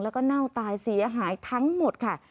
แล้วก็เน่าตายเสียหายทั้งหมดค่ะ